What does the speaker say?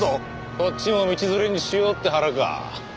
こっちも道連れにしようって腹か。